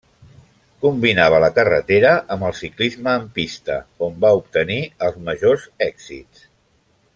Combinava la carretera amb el ciclisme en pista, on va obtenir els majors èxits.